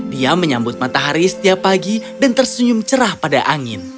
dia menyambut matahari setiap pagi dan tersenyum cerah pada angin